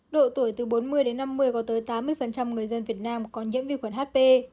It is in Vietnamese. độ tuổi từ bốn mươi đến năm mươi có tới tám mươi người dân việt nam có nhiễm vi khuẩn hp